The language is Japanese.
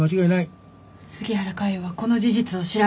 杉原佳代はこの事実を調べ上げた。